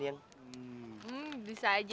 gimana sih termasi dulu